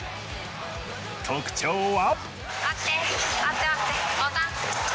特徴は。